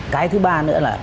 cái thứ ba nữa là